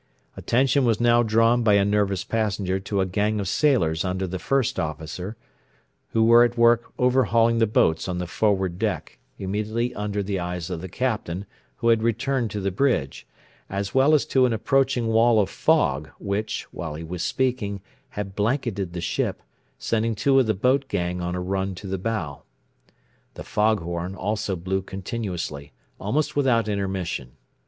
Attention was now drawn by a nervous passenger to a gang of sailors under the First Officer, who were at work overhauling the boats on the forward deck, immediately under the eyes of the Captain who had returned to the bridge, as well as to an approaching wall of fog which, while he was speaking, had blanketed the ship, sending two of the boat gang on a run to the bow. The fog horn also blew continuously, almost without intermission.